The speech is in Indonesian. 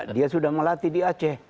dia sudah melatih di aceh